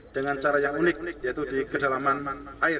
dengan cara yang unik yaitu di kedalaman air